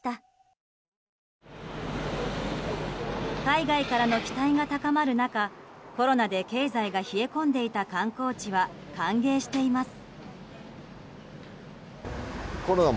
海外からの期待が高まる中コロナで、経済が冷え込んでいた観光地は歓迎しています。